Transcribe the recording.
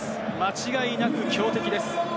間違いなく強敵です。